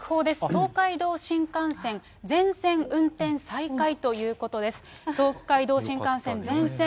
東海道新幹線、全線運転再開ということです。